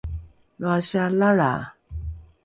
loa sialalra!